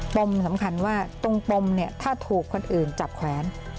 ปมสำคัญว่าตังห้องถูกคนอื่นจับแขวน